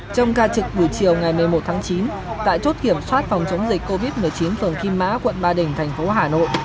trong ca trực buổi chiều ngày một mươi một tháng chín tại chốt kiểm soát phòng chống dịch covid một mươi chín phường kim mã quận ba đình thành phố hà nội